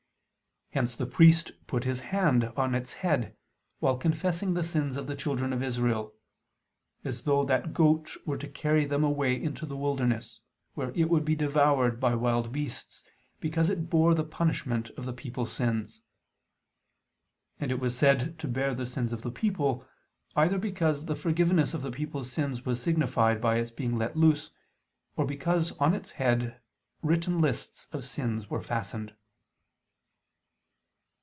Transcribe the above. Hence the priest put his hand on its head, while confessing the sins of the children of Israel: as though that goat were to carry them away into the wilderness, where it would be devoured by wild beasts, because it bore the punishment of the people's sins. And it was said to bear the sins of the people, either because the forgiveness of the people's sins was signified by its being let loose, or because on its head written lists of sins were fastened.